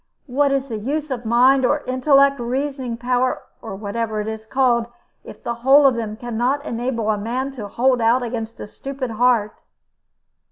What is the use of mind or intellect, reasoning power, or whatever it is called, if the whole of them can not enable a man to hold out against a stupid heart?"